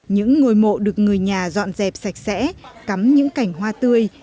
những ngôi mộ được người nhà dọn dẹp sạch sẽ cắm những cảnh hoa tươi